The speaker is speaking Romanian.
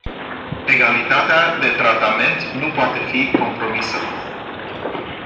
Egalitatea de tratament nu poate fi compromisă.